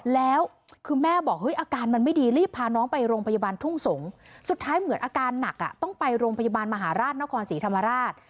แล้วคือแม่บอกเฮ้ยอาการมันไม่ดีรีบพาน้องไปโรงพยาบาลทุ่งสงศ์สุดท้ายเหมือนอาการหนักอ่ะต้องไปโรงพยาบาลมหาราชนครศรีธรรมราช